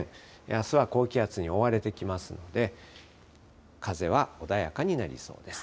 あすは高気圧に覆われてきますので、風は穏やかになりそうです。